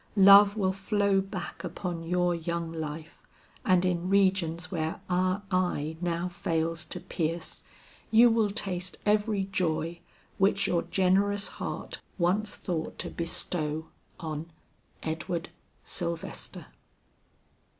Love will flow back upon your young life, and in regions where our eye now fails to pierce, you will taste every joy which your generous heart once thought to bestow on "EDWARD SYLVESTER."